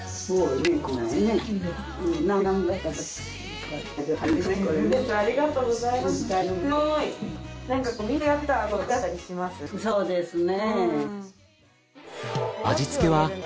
そうなんですね。